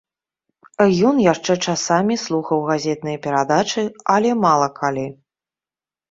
Ён яшчэ часамі слухаў газетныя перадачы, але мала калі.